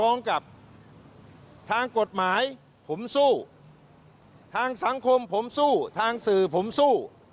กับทางกฎหมายผมสู้ทางสังคมผมสู้ทางสื่อผมสู้